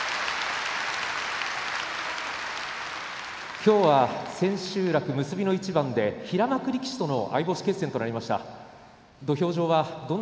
今日は千秋楽結びの一番で平幕力士との相星決戦となりました。